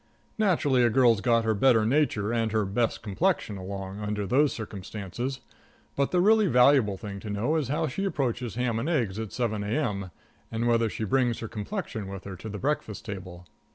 Naturally, a girl's got her better nature and her best complexion along under those circumstances; but the really valuable thing to know is how she approaches ham and eggs at seven A.M., and whether she brings her complexion with her to the breakfast table.